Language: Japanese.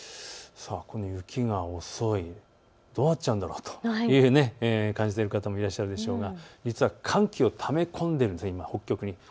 この雪が遅い、どうなっちゃうんだろうという感じで見ている方もいらっしゃると思いますが実は寒気をため込んでいるんです、今、北極に。